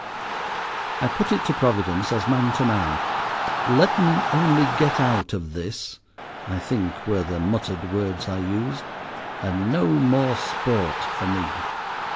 I put it to Providence as man to man. "Let me only get out of this," I think were the muttered words I used, "and no more 'sport' for me."